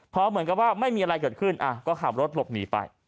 พอเหมือนกับว่าไม่มีอะไรเกิดขึ้นก็ขับรถหลบหนีไป